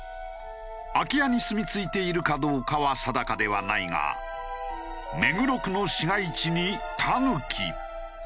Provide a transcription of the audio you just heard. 空き家にすみ着いているかどうかは定かではないが目黒区の市街地にタヌキ。